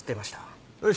よし。